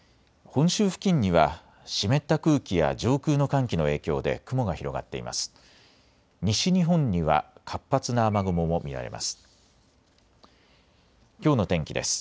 本州付近には湿った空気や上空の寒気の影響で雲が広がっています。